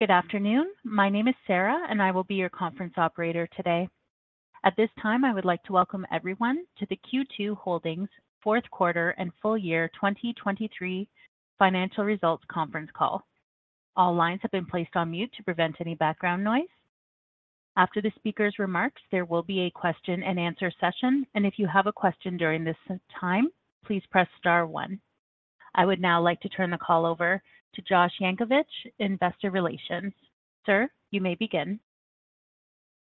Good afternoon. My name is Sarah, and I will be your conference operator today. At this time, I would like to welcome everyone to the Q2 Holdings' fourth quarter and full year 2023 financial results conference call. All lines have been placed on mute to prevent any background noise. After the speaker's remarks, there will be a question-and-answer session, and if you have a question during this time, please press star one. I would now like to turn the call over to Josh Yankovich, Investor Relations. Sir, you may begin.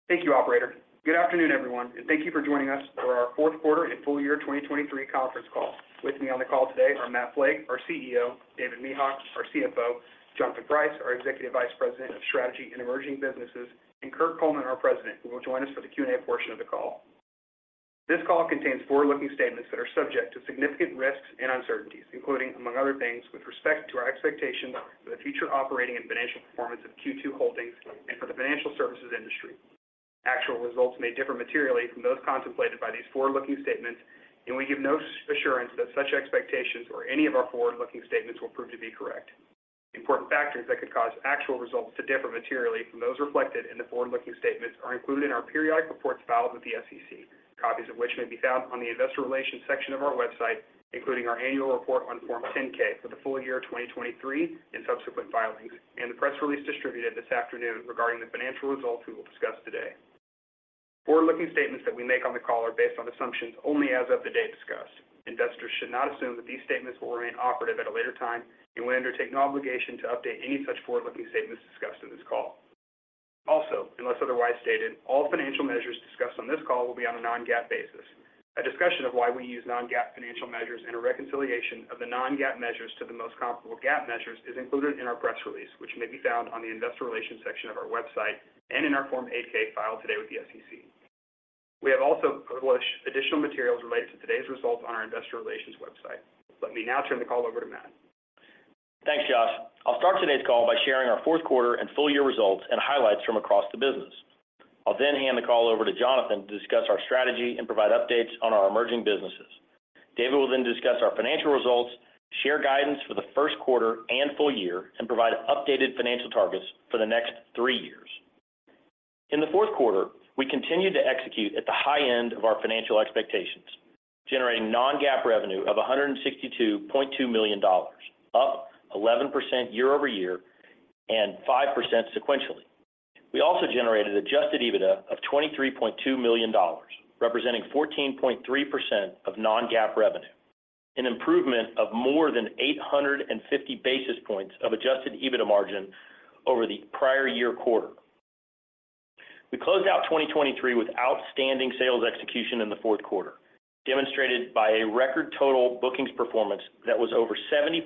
Thank you, operator. Good afternoon, everyone, and thank you for joining us for our fourth quarter and full year 2023 conference call. With me on the call today are Matt Flake, our CEO, David Mehok, our CFO, Jonathan Price, our Executive Vice President of Strategy and Emerging Businesses, and Kirk Coleman, our President, who will join us for the Q&A portion of the call. This call contains forward-looking statements that are subject to significant risks and uncertainties, including, among other things, with respect to our expectations for the future operating and financial performance of Q2 Holdings and for the financial services industry. Actual results may differ materially from those contemplated by these forward-looking statements, and we give no assurance that such expectations or any of our forward-looking statements will prove to be correct. Important factors that could cause actual results to differ materially from those reflected in the forward-looking statements are included in our periodic reports filed with the SEC, copies of which may be found on the Investor Relations section of our website, including our annual report on Form 10-K for the full year 2023 and subsequent filings and the press release distributed this afternoon regarding the financial results we will discuss today. Forward-looking statements that we make on the call are based on assumptions only as of the date discussed. Investors should not assume that these statements will remain operative at a later time, and we undertake no obligation to update any such forward-looking statements discussed in this call. Also, unless otherwise stated, all financial measures discussed on this call will be on a non-GAAP basis. A discussion of why we use non-GAAP financial measures and a reconciliation of the non-GAAP measures to the most comparable GAAP measures is included in our press release, which may be found on the Investor Relations section of our website and in our Form 8-K filed today with the SEC. We have also published additional materials related to today's results on our Investor Relations website. Let me now turn the call over to Matt. Thanks, Josh. I'll start today's call by sharing our fourth quarter and full year results and highlights from across the business. I'll then hand the call over to Jonathan to discuss our strategy and provide updates on our emerging businesses. David will then discuss our financial results, share guidance for the first quarter and full year, and provide updated financial targets for the next three years. In the fourth quarter, we continued to execute at the high end of our financial expectations, generating non-GAAP revenue of $162.2 million, up 11% year over year and 5% sequentially. We also generated adjusted EBITDA of $23.2 million, representing 14.3% of non-GAAP revenue, an improvement of more than 850 basis points of adjusted EBITDA margin over the prior year quarter. We closed out 2023 with outstanding sales execution in the fourth quarter, demonstrated by a record total bookings performance that was over 75%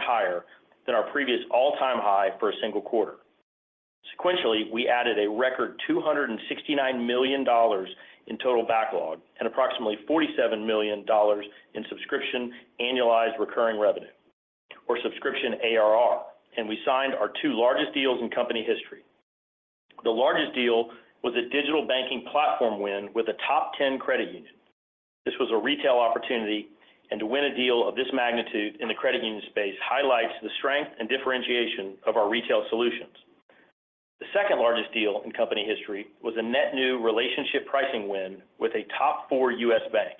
higher than our previous all-time high for a single quarter. Sequentially, we added a record $269 million in total backlog and approximately $47 million in subscription annualized recurring revenue, or subscription ARR, and we signed our two largest deals in company history. The largest deal was a digital banking platform win with a top 10 credit union. This was a retail opportunity, and to win a deal of this magnitude in the credit union space highlights the strength and differentiation of our retail solutions. The second largest deal in company history was a net new Relationship Pricing win with a top four U.S. bank.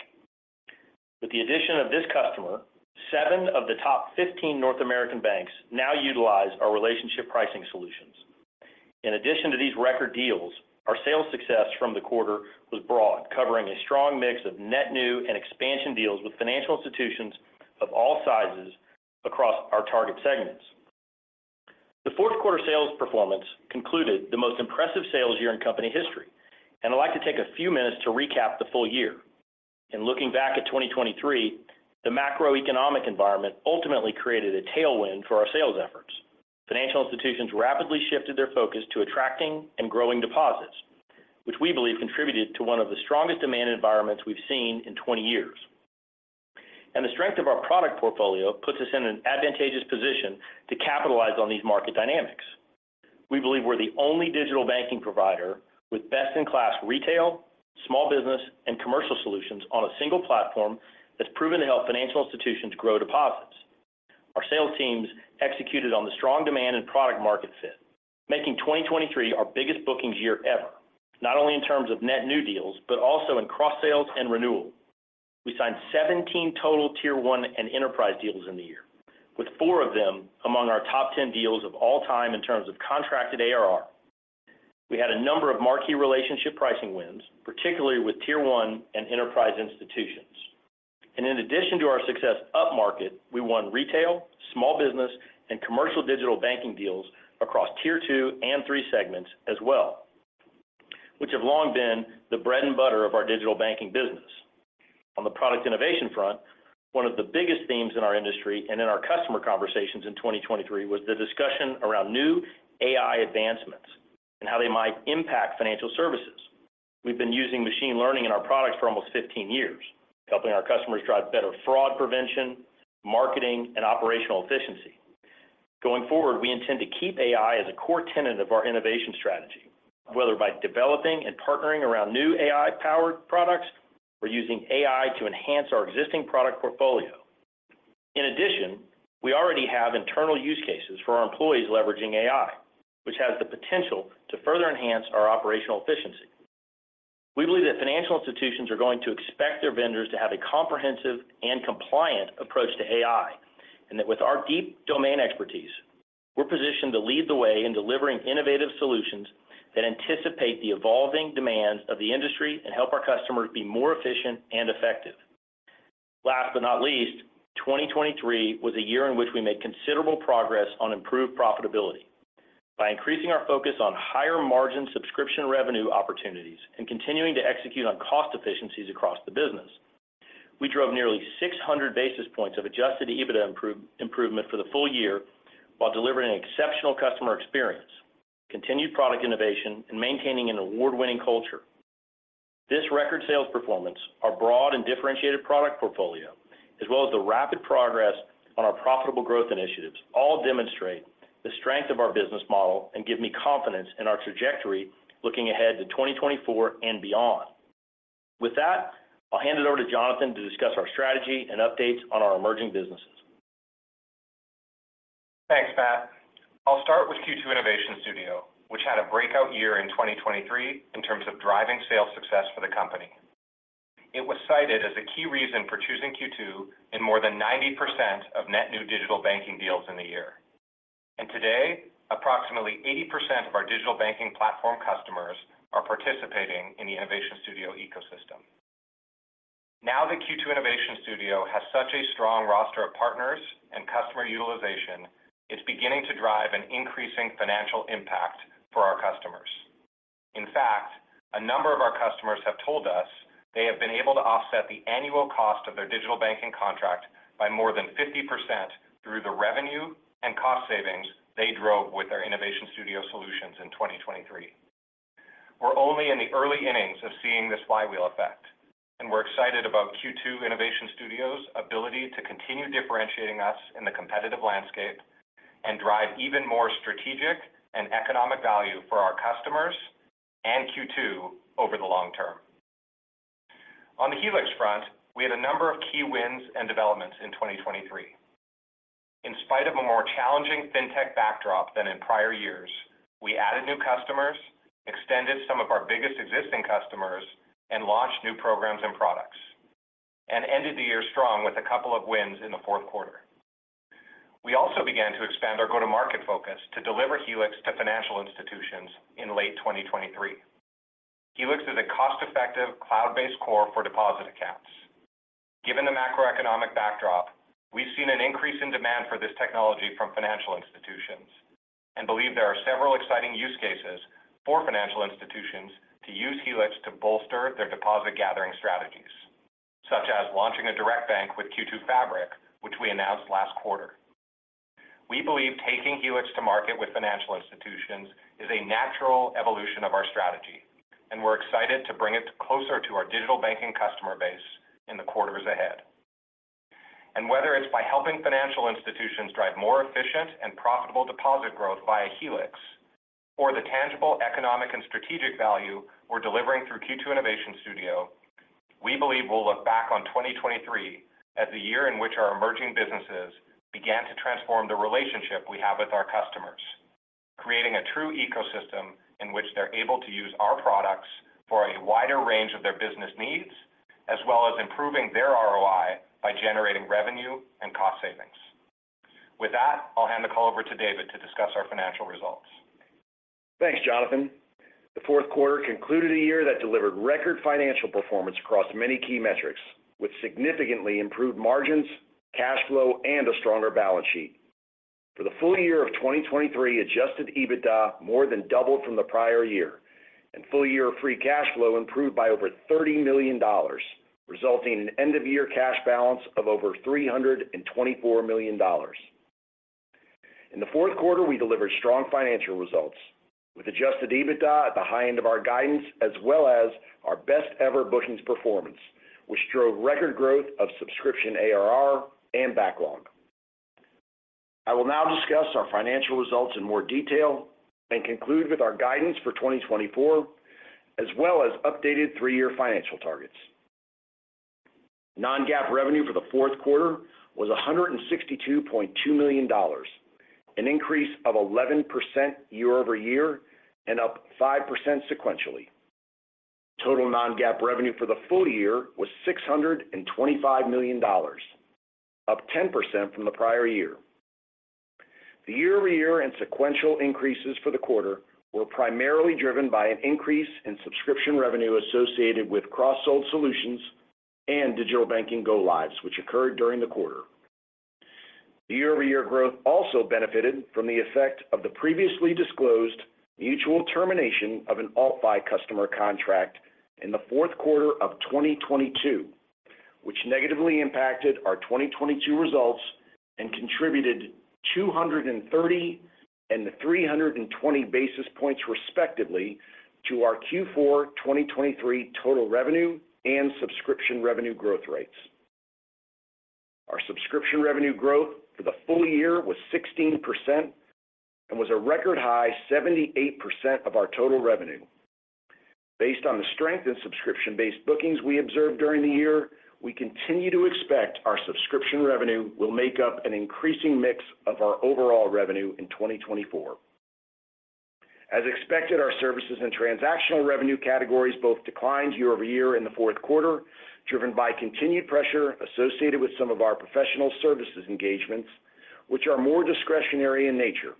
With the addition of this customer, seven of the top 15 North American banks now utilize our Relationship Pricing solutions. In addition to these record deals, our sales success from the quarter was broad, covering a strong mix of net new and expansion deals with financial institutions of all sizes across our target segments. The fourth quarter sales performance concluded the most impressive sales year in company history, and I'd like to take a few minutes to recap the full year. In looking back at 2023, the macroeconomic environment ultimately created a tailwind for our sales efforts. Financial institutions rapidly shifted their focus to attracting and growing deposits, which we believe contributed to one of the strongest demand environments we've seen in 20 years. The strength of our product portfolio puts us in an advantageous position to capitalize on these market dynamics. We believe we're the only digital banking provider with best-in-class retail, small business, and commercial solutions on a single platform that's proven to help financial institutions grow deposits. Our sales teams executed on the strong demand and product market fit, making 2023 our biggest bookings year ever, not only in terms of net new deals but also in cross-sales and renewal. We signed 17 total Tier 1 and Enterprise deals in the year, with four of them among our top 10 deals of all time in terms of contracted ARR. We had a number of marquee Relationship Pricing wins, particularly with Tier 1 and Enterprise institutions. In addition to our success up market, we won retail, small business, and commercial digital banking deals across Tier 2 and Tier 3 segments as well, which have long been the bread and butter of our digital banking business. On the product innovation front, one of the biggest themes in our industry and in our customer conversations in 2023 was the discussion around new AI advancements and how they might impact financial services. We've been using machine learning in our products for almost 15 years, helping our customers drive better fraud prevention, marketing, and operational efficiency. Going forward, we intend to keep AI as a core tenet of our innovation strategy, whether by developing and partnering around new AI-powered products or using AI to enhance our existing product portfolio. In addition, we already have internal use cases for our employees leveraging AI, which has the potential to further enhance our operational efficiency. We believe that financial institutions are going to expect their vendors to have a comprehensive and compliant approach to AI, and that with our deep domain expertise, we're positioned to lead the way in delivering innovative solutions that anticipate the evolving demands of the industry and help our customers be more efficient and effective. Last but not least, 2023 was a year in which we made considerable progress on improved profitability. By increasing our focus on higher margin subscription revenue opportunities and continuing to execute on cost efficiencies across the business, we drove nearly 600 basis points of Adjusted EBITDA improvement for the full year while delivering an exceptional customer experience, continued product innovation, and maintaining an award-winning culture. This record sales performance, our broad and differentiated product portfolio, as well as the rapid progress on our profitable growth initiatives, all demonstrate the strength of our business model and give me confidence in our trajectory looking ahead to 2024 and beyond. With that, I'll hand it over to Jonathan to discuss our strategy and updates on our emerging businesses. Thanks, Matt. I'll start with Q2 Innovation Studio, which had a breakout year in 2023 in terms of driving sales success for the company. It was cited as a key reason for choosing Q2 in more than 90% of net new digital banking deals in the year. And today, approximately 80% of our digital banking platform customers are participating in the Innovation Studio ecosystem. Now that Q2 Innovation Studio has such a strong roster of partners and customer utilization, it's beginning to drive an increasing financial impact for our customers. In fact, a number of our customers have told us they have been able to offset the annual cost of their digital banking contract by more than 50% through the revenue and cost savings they drove with their Innovation Studio solutions in 2023. We're only in the early innings of seeing this flywheel effect, and we're excited about Q2 Innovation Studio's ability to continue differentiating us in the competitive landscape and drive even more strategic and economic value for our customers and Q2 over the long term. On the Helix front, we had a number of key wins and developments in 2023. In spite of a more challenging fintech backdrop than in prior years, we added new customers, extended some of our biggest existing customers, and launched new programs and products, and ended the year strong with a couple of wins in the fourth quarter. We also began to expand our go-to-market focus to deliver Helix to financial institutions in late 2023. Helix is a cost-effective cloud-based core for deposit accounts. Given the macroeconomic backdrop, we've seen an increase in demand for this technology from financial institutions and believe there are several exciting use cases for financial institutions to use Helix to bolster their deposit gathering strategies, such as launching a direct bank with Q2 Fabric, which we announced last quarter. We believe taking Helix to market with financial institutions is a natural evolution of our strategy, and we're excited to bring it closer to our digital banking customer base in the quarters ahead. Whether it's by helping financial institutions drive more efficient and profitable deposit growth via Helix or the tangible economic and strategic value we're delivering through Q2 Innovation Studio, we believe we'll look back on 2023 as the year in which our emerging businesses began to transform the relationship we have with our customers, creating a true ecosystem in which they're able to use our products for a wider range of their business needs, as well as improving their ROI by generating revenue and cost savings. With that, I'll hand the call over to David to discuss our financial results. Thanks, Jonathan. The fourth quarter concluded a year that delivered record financial performance across many key metrics, with significantly improved margins, cash flow, and a stronger balance sheet. For the full year of 2023, Adjusted EBITDA more than doubled from the prior year, and full year Free Cash Flow improved by over $30 million, resulting in an end-of-year cash balance of over $324 million. In the fourth quarter, we delivered strong financial results with Adjusted EBITDA at the high end of our guidance, as well as our best-ever bookings performance, which drove record growth of Subscription ARR and Backlog. I will now discuss our financial results in more detail and conclude with our guidance for 2024, as well as updated three-year financial targets. Non-GAAP revenue for the fourth quarter was $162.2 million, an increase of 11% year-over-year and up 5% sequentially. Total Non-GAAP revenue for the full year was $625 million, up 10% from the prior year. The year-over-year and sequential increases for the quarter were primarily driven by an increase in subscription revenue associated with cross-sold solutions and digital banking go-lives, which occurred during the quarter. The year-over-year growth also benefited from the effect of the previously disclosed mutual termination of an AltFi customer contract in the fourth quarter of 2022, which negatively impacted our 2022 results and contributed 230 basis points and 320 basis points, respectively, to our Q4 2023 total revenue and subscription revenue growth rates. Our subscription revenue growth for the full year was 16% and was a record high, 78% of our total revenue. Based on the strength in subscription-based bookings we observed during the year, we continue to expect our subscription revenue will make up an increasing mix of our overall revenue in 2024. As expected, our services and transactional revenue categories both declined year-over-year in the fourth quarter, driven by continued pressure associated with some of our professional services engagements, which are more discretionary in nature,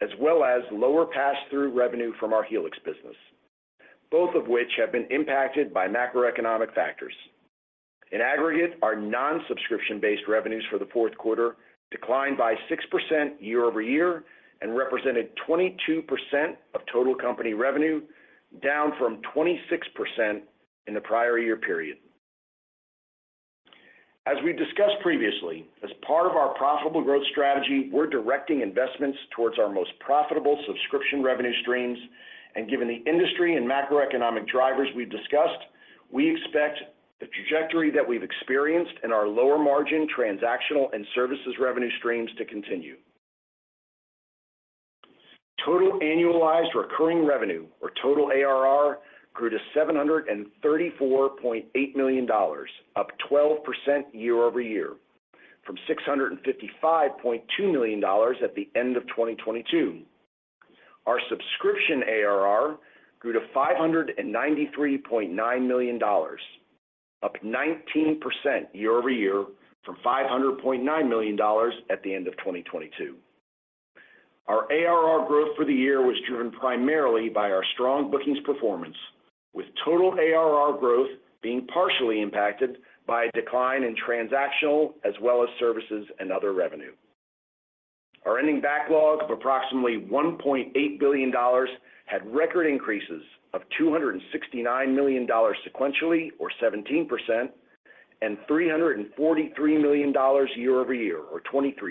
as well as lower pass-through revenue from our Helix business, both of which have been impacted by macroeconomic factors. In aggregate, our non-subscription-based revenues for the fourth quarter declined by 6% year-over-year and represented 22% of total company revenue, down from 26% in the prior year period. As we've discussed previously, as part of our profitable growth strategy, we're directing investments towards our most profitable subscription revenue streams. Given the industry and macroeconomic drivers we've discussed, we expect the trajectory that we've experienced in our lower margin transactional and services revenue streams to continue. Total annualized recurring revenue, or total ARR, grew to $734.8 million, up 12% year-over-year from $655.2 million at the end of 2022. Our subscription ARR grew to $593.9 million, up 19% year-over-year from $500.9 million at the end of 2022. Our ARR growth for the year was driven primarily by our strong bookings performance, with total ARR growth being partially impacted by a decline in transactional as well as services and other revenue. Our ending backlog of approximately $1.8 billion had record increases of $269 million sequentially, or 17%, and $343 million year-over-year, or 23%.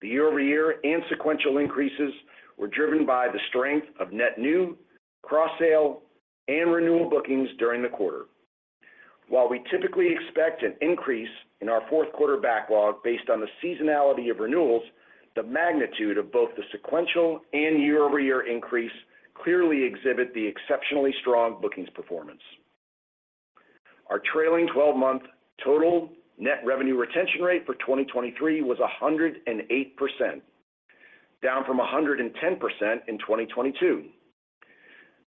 The year-over-year and sequential increases were driven by the strength of net new, cross-sell, and renewal bookings during the quarter. While we typically expect an increase in our fourth quarter backlog based on the seasonality of renewals, the magnitude of both the sequential and year-over-year increase clearly exhibit the exceptionally strong bookings performance. Our trailing 12-month total net revenue retention rate for 2023 was 108%, down from 110% in 2022.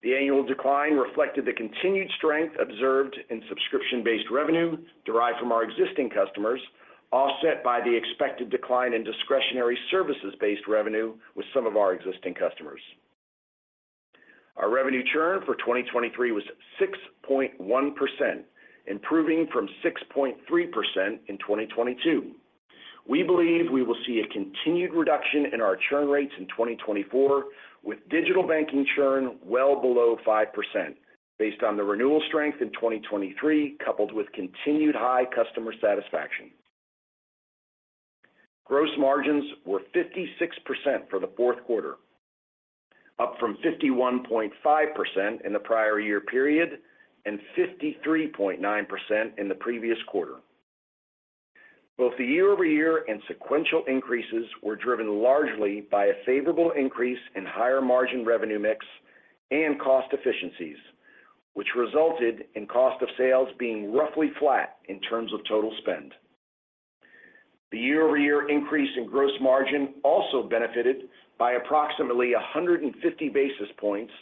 The annual decline reflected the continued strength observed in subscription-based revenue derived from our existing customers, offset by the expected decline in discretionary services-based revenue with some of our existing customers. Our revenue churn for 2023 was 6.1%, improving from 6.3% in 2022. We believe we will see a continued reduction in our churn rates in 2024, with digital banking churn well below 5% based on the renewal strength in 2023 coupled with continued high customer satisfaction. Gross margins were 56% for the fourth quarter, up from 51.5% in the prior year period and 53.9% in the previous quarter. Both the year-over-year and sequential increases were driven largely by a favorable increase in higher margin revenue mix and cost efficiencies, which resulted in cost of sales being roughly flat in terms of total spend. The year-over-year increase in gross margin also benefited by approximately 150 basis points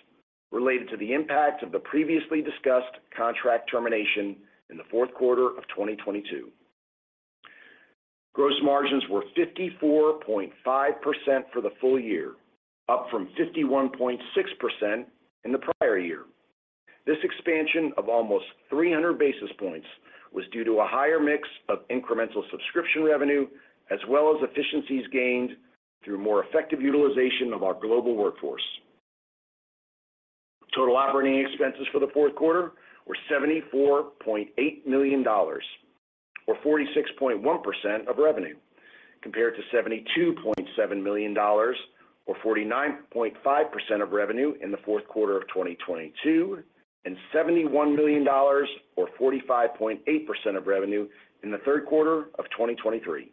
related to the impact of the previously discussed contract termination in the fourth quarter of 2022. Gross margins were 54.5% for the full year, up from 51.6% in the prior year. This expansion of almost 300 basis points was due to a higher mix of incremental subscription revenue as well as efficiencies gained through more effective utilization of our global workforce. Total operating expenses for the fourth quarter were $74.8 million, or 46.1% of revenue, compared to $72.7 million, or 49.5% of revenue in the fourth quarter of 2022, and $71 million, or 45.8% of revenue in the third quarter of 2023.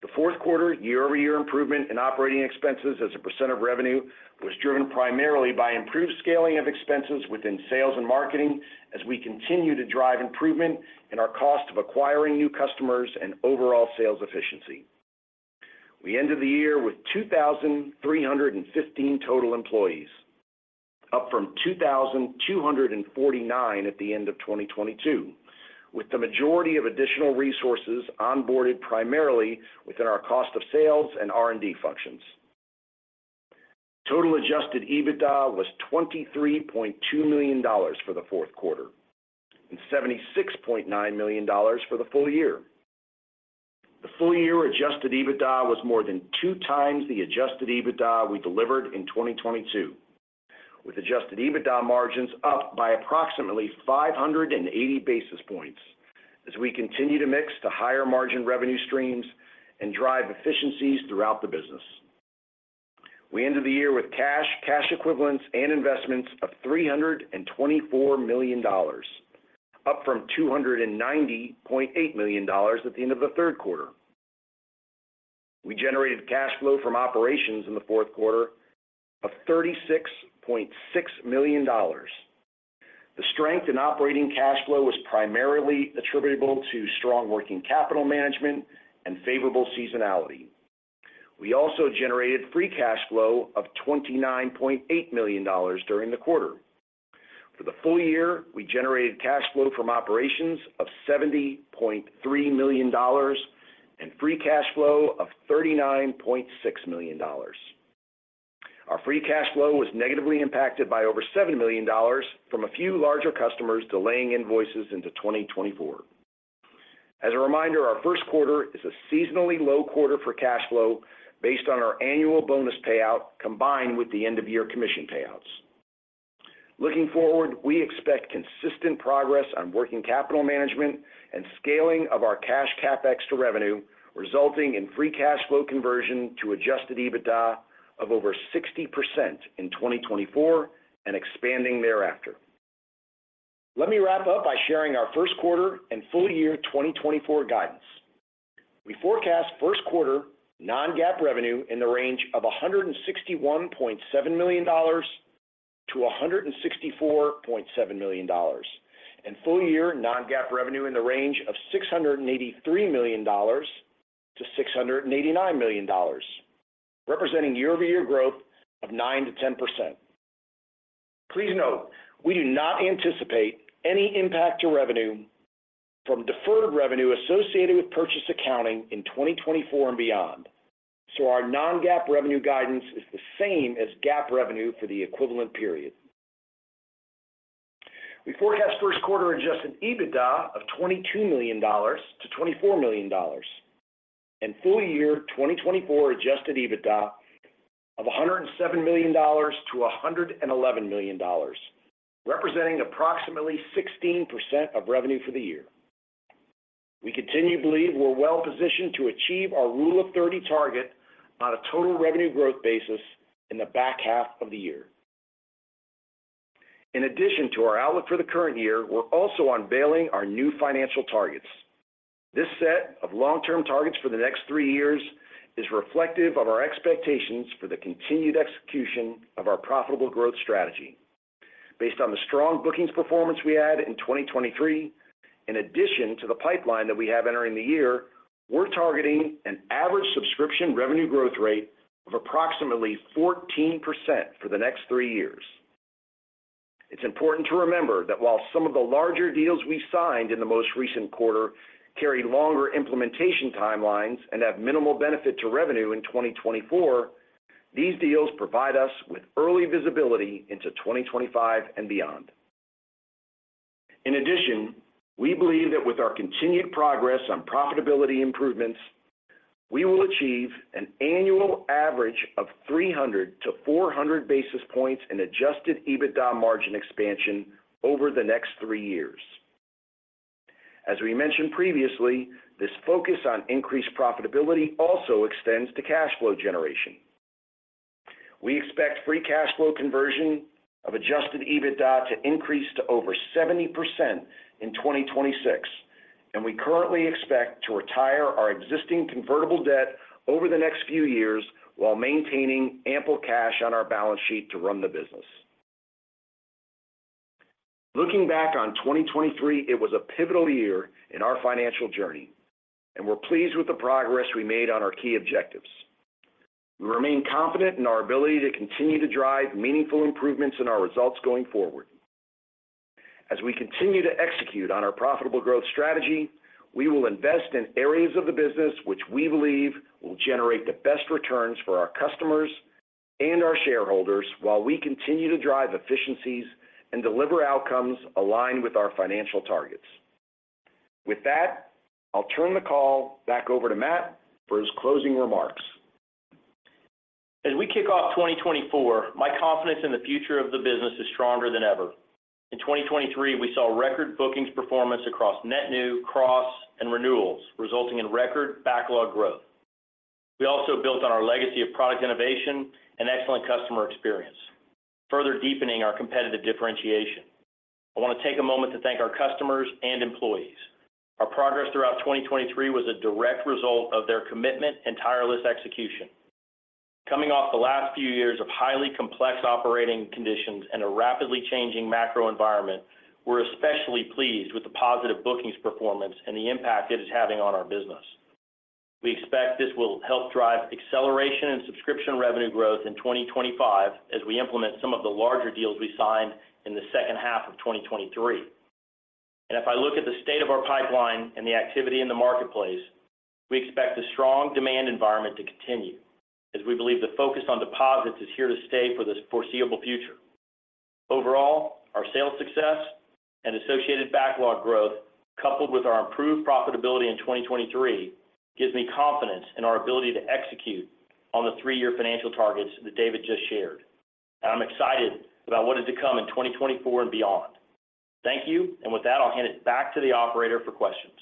The fourth quarter year-over-year improvement in operating expenses as a % of revenue was driven primarily by improved scaling of expenses within sales and marketing as we continue to drive improvement in our cost of acquiring new customers and overall sales efficiency. We ended the year with 2,315 total employees, up from 2,249 at the end of 2022, with the majority of additional resources onboarded primarily within our cost of sales and R&D functions. Total adjusted EBITDA was $23.2 million for the fourth quarter and $76.9 million for the full year. The full year adjusted EBITDA was more than two times the adjusted EBITDA we delivered in 2022, with adjusted EBITDA margins up by approximately 580 basis points as we continue to mix to higher margin revenue streams and drive efficiencies throughout the business. We ended the year with cash, cash equivalents, and investments of $324 million, up from $290.8 million at the end of the third quarter. We generated cash flow from operations in the fourth quarter of $36.6 million. The strength in operating cash flow was primarily attributable to strong working capital management and favorable seasonality. We also generated free cash flow of $29.8 million during the quarter. For the full year, we generated cash flow from operations of $70.3 million and free cash flow of $39.6 million. Our free cash flow was negatively impacted by over $7 million from a few larger customers delaying invoices into 2024. As a reminder, our first quarter is a seasonally low quarter for cash flow based on our annual bonus payout combined with the end-of-year commission payouts. Looking forward, we expect consistent progress on working capital management and scaling of our cash CapEx to revenue, resulting in free cash flow conversion to adjusted EBITDA of over 60% in 2024 and expanding thereafter. Let me wrap up by sharing our first quarter and full year 2024 guidance. We forecast first quarter non-GAAP revenue in the range of $161.7 million-$164.7 million and full year non-GAAP revenue in the range of $683 million-$689 million, representing year-over-year growth of 9%-10%. Please note, we do not anticipate any impact to revenue from deferred revenue associated with purchase accounting in 2024 and beyond, so our non-GAAP revenue guidance is the same as GAAP revenue for the equivalent period. We forecast first quarter adjusted EBITDA of $22 million-$24 million and full year 2024 adjusted EBITDA of $107 million-$111 million, representing approximately 16% of revenue for the year. We continue to believe we're well-positioned to achieve our Rule of 30 target on a total revenue growth basis in the back half of the year. In addition to our outlook for the current year, we're also unveiling our new financial targets. This set of long-term targets for the next three years is reflective of our expectations for the continued execution of our profitable growth strategy. Based on the strong bookings performance we had in 2023, in addition to the pipeline that we have entering the year, we're targeting an average subscription revenue growth rate of approximately 14% for the next three years. It's important to remember that while some of the larger deals we signed in the most recent quarter carry longer implementation timelines and have minimal benefit to revenue in 2024, these deals provide us with early visibility into 2025 and beyond. In addition, we believe that with our continued progress on profitability improvements, we will achieve an annual average of 300-400 basis points in adjusted EBITDA margin expansion over the next three years. As we mentioned previously, this focus on increased profitability also extends to cash flow generation. We expect free cash flow conversion of adjusted EBITDA to increase to over 70% in 2026, and we currently expect to retire our existing convertible debt over the next few years while maintaining ample cash on our balance sheet to run the business. Looking back on 2023, it was a pivotal year in our financial journey, and we're pleased with the progress we made on our key objectives. We remain confident in our ability to continue to drive meaningful improvements in our results going forward. As we continue to execute on our profitable growth strategy, we will invest in areas of the business which we believe will generate the best returns for our customers and our shareholders while we continue to drive efficiencies and deliver outcomes aligned with our financial targets. With that, I'll turn the call back over to Matt for his closing remarks. As we kick off 2024, my confidence in the future of the business is stronger than ever. In 2023, we saw record bookings performance across net new, cross, and renewals, resulting in record backlog growth. We also built on our legacy of product innovation and excellent customer experience, further deepening our competitive differentiation. I want to take a moment to thank our customers and employees. Our progress throughout 2023 was a direct result of their commitment and tireless execution. Coming off the last few years of highly complex operating conditions and a rapidly changing macro environment, we're especially pleased with the positive bookings performance and the impact it is having on our business. We expect this will help drive acceleration in subscription revenue growth in 2025 as we implement some of the larger deals we signed in the second half of 2023. If I look at the state of our pipeline and the activity in the marketplace, we expect a strong demand environment to continue as we believe the focus on deposits is here to stay for this foreseeable future. Overall, our sales success and associated backlog growth, coupled with our improved profitability in 2023, gives me confidence in our ability to execute on the three-year financial targets that David just shared. I'm excited about what is to come in 2024 and beyond. Thank you, and with that, I'll hand it back to the operator for questions.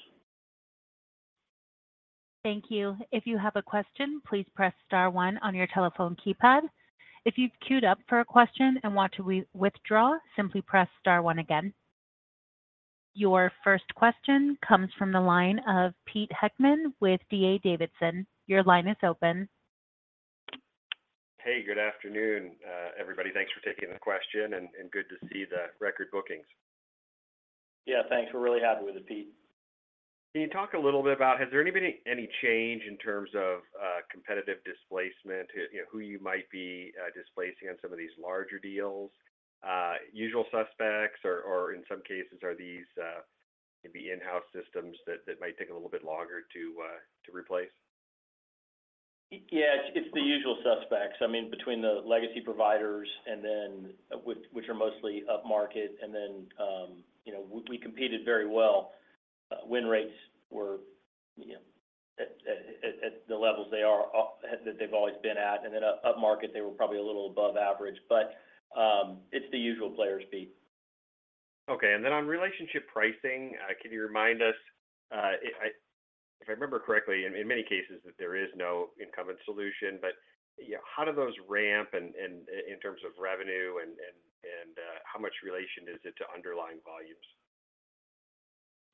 Thank you. If you have a question, please press star one on your telephone keypad. If you've queued up for a question and want to withdraw, simply press star one again. Your first question comes from the line of Pete Heckmann with D.A. Davidson. Your line is open. Hey, good afternoon, everybody. Thanks for taking the question, and good to see the record bookings. Yeah, thanks. We're really happy with it, Pete. Can you talk a little bit about has there any change in terms of competitive displacement, who you might be displacing on some of these larger deals? Usual suspects, or in some cases, are these can be in-house systems that might take a little bit longer to replace? Yeah, it's the usual suspects. I mean, between the legacy providers and then which are mostly upmarket, and then we competed very well. Win rates were at the levels they are that they've always been at. And then upmarket, they were probably a little above average. But it's the usual players, Pete. Okay. And then on Relationship Pricing, can you remind us if I remember correctly, in many cases, that there is no incumbent solution, but how do those ramp in terms of revenue, and how much relation is it to underlying volumes?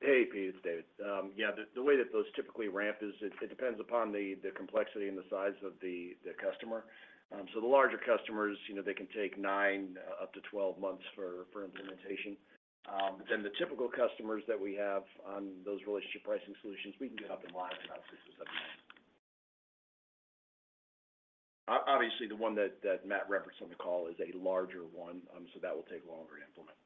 Hey, Pete, it's David. Yeah, the way that those typically ramp is it depends upon the complexity and the size of the customer. So the larger customers, they can take 9 months-12 months for implementation. But then the typical customers that we have on those Relationship Pricing solutions, we can get up in line in about 6 months-7 months. Obviously, the one that Matt referenced on the call is a larger one, so that will take longer to implement.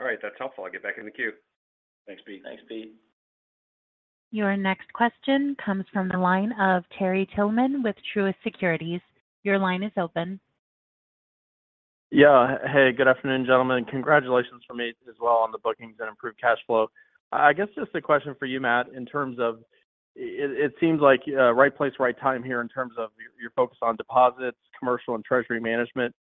All right. That's helpful. I'll get back in the queue. Thanks, Pete. Thanks, Pete. Your next question comes from the line of Terry Tillman with Truist Securities. Your line is open. Yeah. Hey, good afternoon, gentlemen. Congratulations from me as well on the bookings and improved cash flow. I guess just a question for you, Matt, in terms of it seems like right place, right time here in terms of your focus on deposits, commercial, and treasury management.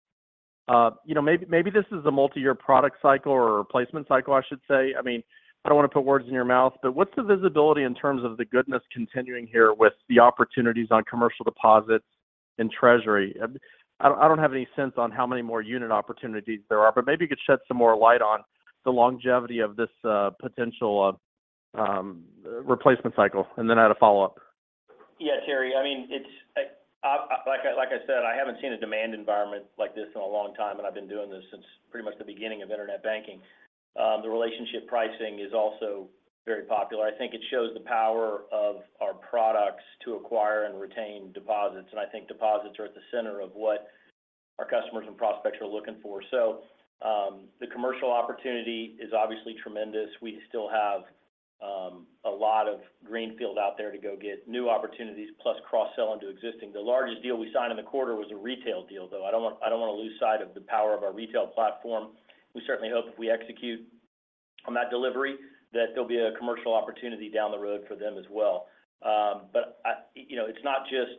Maybe this is a multi-year product cycle or replacement cycle, I should say. I mean, I don't want to put words in your mouth, but what's the visibility in terms of the goodness continuing here with the opportunities on commercial deposits and treasury? I don't have any sense on how many more unit opportunities there are, but maybe you could shed some more light on the longevity of this potential replacement cycle. And then I had a follow-up. Yeah, Terry. I mean, like I said, I haven't seen a demand environment like this in a long time, and I've been doing this since pretty much the beginning of internet banking. The Relationship Pricing is also very popular. I think it shows the power of our products to acquire and retain deposits. I think deposits are at the center of what our customers and prospects are looking for. The commercial opportunity is obviously tremendous. We still have a lot of greenfield out there to go get new opportunities, plus cross-sell into existing. The largest deal we signed in the quarter was a retail deal, though. I don't want to lose sight of the power of our retail platform. We certainly hope if we execute on that delivery, that there'll be a commercial opportunity down the road for them as well. It's not just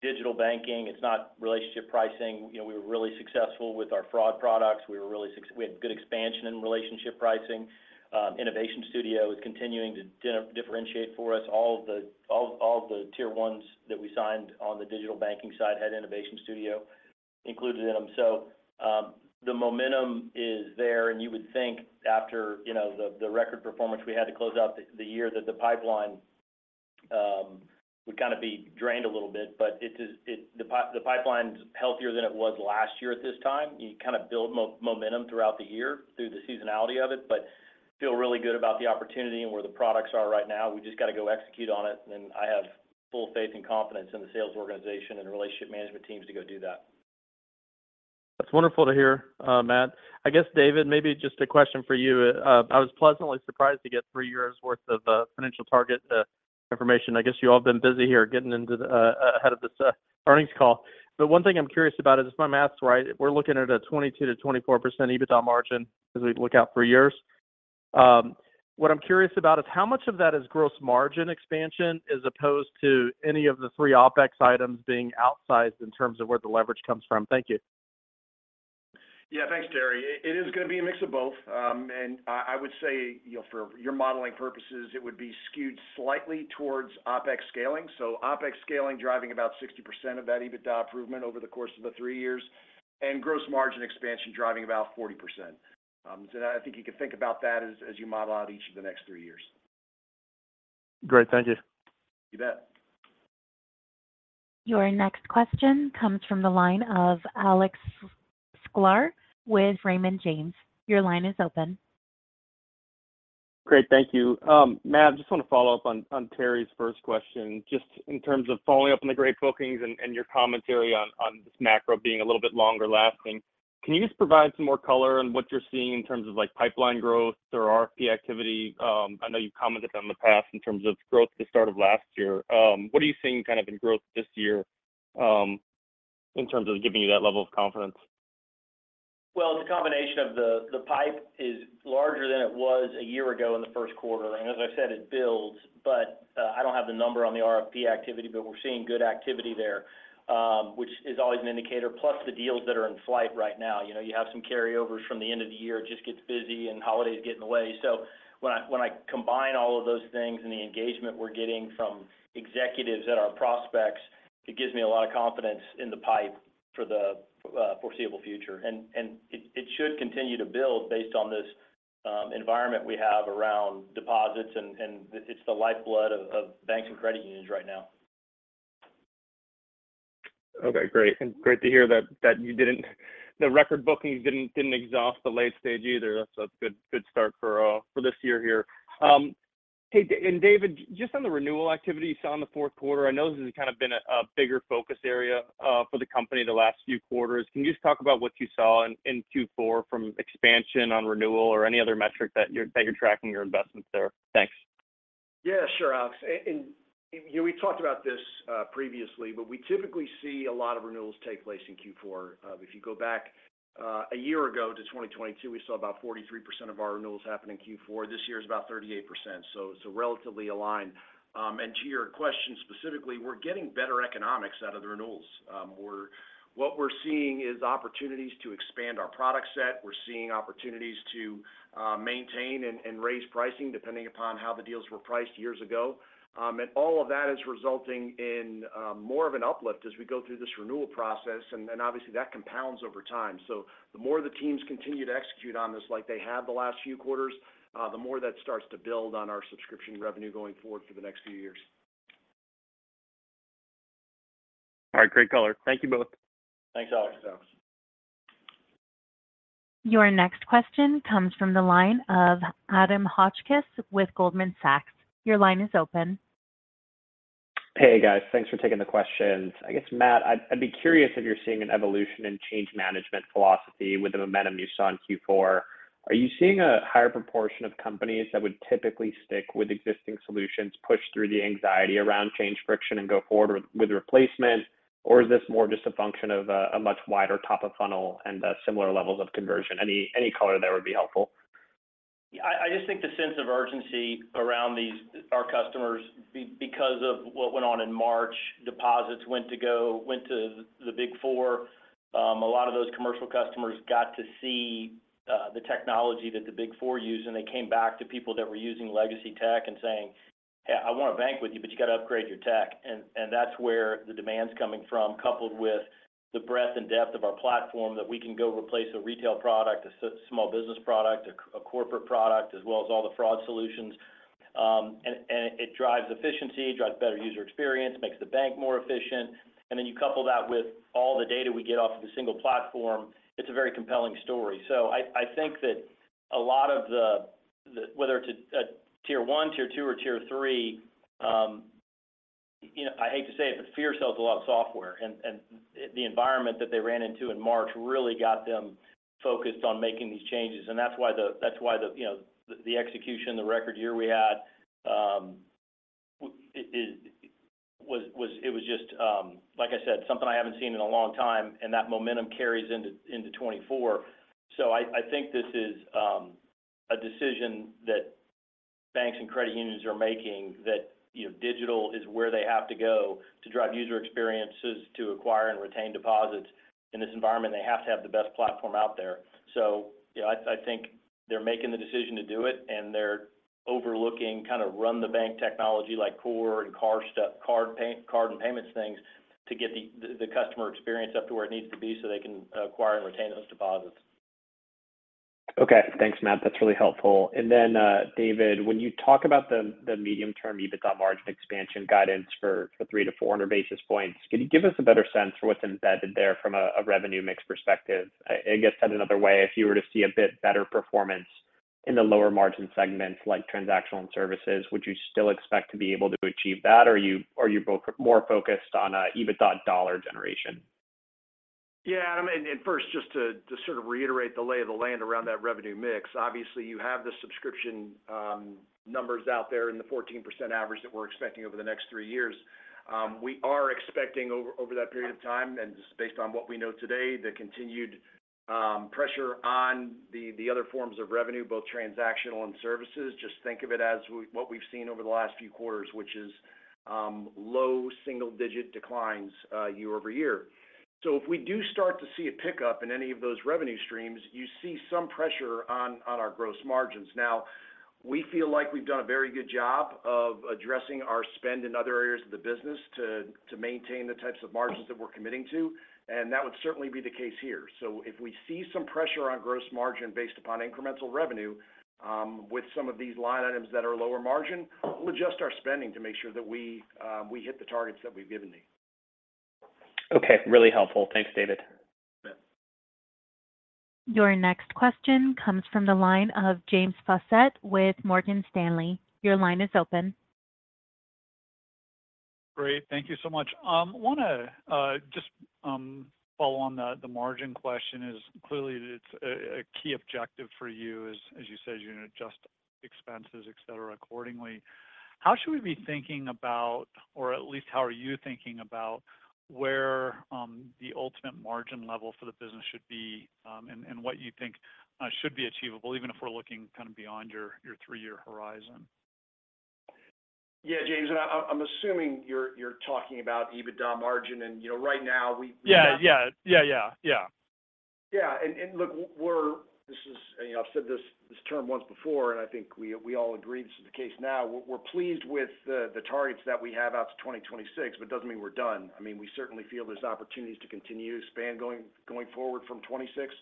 digital banking. It's not Relationship Pricing. We were really successful with our fraud products. We had good expansion in Relationship Pricing. Innovation Studio is continuing to differentiate for us. All of the Tier 1s that we signed on the digital banking side had Innovation Studio included in them. So the momentum is there. And you would think after the record performance we had to close out the year that the pipeline would kind of be drained a little bit. But the pipeline's healthier than it was last year at this time. You kind of build momentum throughout the year through the seasonality of it, but feel really good about the opportunity and where the products are right now. We just got to go execute on it. And I have full faith and confidence in the sales organization and relationship management teams to go do that. That's wonderful to hear, Matt. I guess, David, maybe just a question for you. I was pleasantly surprised to get three years' worth of financial target information. I guess you all have been busy here getting into ahead of this earnings call. But one thing I'm curious about is, if my math's right, we're looking at a 22%-24% EBITDA margin as we look out three years. What I'm curious about is how much of that is gross margin expansion as opposed to any of the three OPEX items being outsized in terms of where the leverage comes from? Thank you. Yeah, thanks, Terry. It is going to be a mix of both. And I would say, for your modeling purposes, it would be skewed slightly towards OPEX scaling, so OPEX scaling driving about 60% of that EBITDA improvement over the course of the three years, and gross margin expansion driving about 40%. And I think you could think about that as you model out each of the next three years. Great. Thank you. You bet. Your next question comes from the line of Alex Sklar with Raymond James. Your line is open. Great. Thank you. Matt, I just want to follow up on Terry's first question. Just in terms of following up on the great bookings and your commentary on this macro being a little bit longer lasting, can you just provide some more color on what you're seeing in terms of pipeline growth or RFP activity? I know you've commented in the past in terms of growth at the start of last year. What are you seeing kind of in growth this year in terms of giving you that level of confidence? Well, it's a combination of the pipe is larger than it was a year ago in the first quarter. And as I said, it builds. But I don't have the number on the RFP activity, but we're seeing good activity there, which is always an indicator, plus the deals that are in flight right now. You have some carryovers from the end of the year. It just gets busy, and holidays get in the way. So when I combine all of those things and the engagement we're getting from executives that are prospects, it gives me a lot of confidence in the pipe for the foreseeable future. And it should continue to build based on this environment we have around deposits. And it's the lifeblood of banks and credit unions right now. Okay. Great. And great to hear that the record bookings didn't exhaust the late stage either. That's a good start for this year here. Hey, and David, just on the renewal activity you saw in the fourth quarter, I know this has kind of been a bigger focus area for the company the last few quarters. Can you just talk about what you saw in Q4 from expansion on renewal or any other metric that you're tracking your investments there? Thanks. Yeah, sure, Alex. We talked about this previously, but we typically see a lot of renewals take place in Q4. If you go back a year ago to 2022, we saw about 43% of our renewals happen in Q4. This year is about 38%, so relatively aligned. To your question specifically, we're getting better economics out of the renewals. What we're seeing is opportunities to expand our product set. We're seeing opportunities to maintain and raise pricing depending upon how the deals were priced years ago. And all of that is resulting in more of an uplift as we go through this renewal process. And obviously, that compounds over time. So the more the teams continue to execute on this like they have the last few quarters, the more that starts to build on our subscription revenue going forward for the next few years. All right. Great color. Thank you both. Thanks, Alex. Thanks, Alex. Your next question comes from the line of Adam Hotchkiss with Goldman Sachs. Your line is open. Hey, guys. Thanks for taking the questions. I guess, Matt, I'd be curious if you're seeing an evolution in change management philosophy with the momentum you saw in Q4. Are you seeing a higher proportion of companies that would typically stick with existing solutions, push through the anxiety around change friction, and go forward with replacement? Or is this more just a function of a much wider top of funnel and similar levels of conversion? Any color there would be helpful. I just think the sense of urgency around our customers, because of what went on in March, deposits went to the Big Four. A lot of those commercial customers got to see the technology that the Big Four used, and they came back to people that were using legacy tech and saying, "Hey, I want to bank with you, but you got to upgrade your tech." And that's where the demand's coming from, coupled with the breadth and depth of our platform that we can go replace a retail product, a small business product, a corporate product, as well as all the fraud solutions. And it drives efficiency, drives better user experience, makes the bank more efficient. And then you couple that with all the data we get off of a single platform, it's a very compelling story. So I think that a lot of the whether it's a Tier 1, Tier 2, or Tier 3, I hate to say it, but FIs sell a lot of software. And the environment that they ran into in March really got them focused on making these changes. And that's why the execution, the record year we had, it was just, like I said, something I haven't seen in a long time. And that momentum carries into 2024. So I think this is a decision that banks and credit unions are making, that digital is where they have to go to drive user experiences, to acquire and retain deposits. In this environment, they have to have the best platform out there. So I think they're making the decision to do it, and they're overlooking kind of run-the-bank technology like core and card and payments things to get the customer experience up to where it needs to be so they can acquire and retain those deposits. Okay. Thanks, Matt. That's really helpful. And then, David, when you talk about the medium-term EBITDA margin expansion guidance for 300 basis points-400 basis points, can you give us a better sense for what's embedded there from a revenue mix perspective? I guess, said another way, if you were to see a bit better performance in the lower margin segments like transactional and services, would you still expect to be able to achieve that, or are you more focused on EBITDA dollar generation? Yeah, Adam. First, just to sort of reiterate the lay of the land around that revenue mix, obviously, you have the subscription numbers out there and the 14% average that we're expecting over the next three years. We are expecting over that period of time, and just based on what we know today, the continued pressure on the other forms of revenue, both transactional and services. Just think of it as what we've seen over the last few quarters, which is low single-digit declines year-over-year. So if we do start to see a pickup in any of those revenue streams, you see some pressure on our gross margins. Now, we feel like we've done a very good job of addressing our spend in other areas of the business to maintain the types of margins that we're committing to. That would certainly be the case here. So if we see some pressure on gross margin based upon incremental revenue with some of these line items that are lower margin, we'll adjust our spending to make sure that we hit the targets that we've given you. Okay. Really helpful. Thanks, David. Your next question comes from the line of James Faucette with Morgan Stanley. Your line is open. Great. Thank you so much. I want to just follow on the margin question. Clearly, it's a key objective for you, as you said, you're going to adjust expenses, etc., accordingly. How should we be thinking about, or at least how are you thinking about, where the ultimate margin level for the business should be and what you think should be achievable, even if we're looking kind of beyond your three-year horizon? Yeah, James. And I'm assuming you're talking about EBITDA margin. And right now, we have Yeah. Yeah. Yeah. Yeah. Yeah. Yeah. And look, this is. I've said this term once before, and I think we all agree this is the case now. We're pleased with the targets that we have out to 2026, but it doesn't mean we're done. I mean, we certainly feel there's opportunities to continue expanding going forward from 2026.